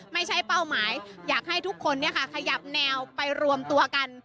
ไม่ใช่เป้าหมายอยากให้ทุกคนเนี่ยค่ะขยับแนวไปรวมตัวกัน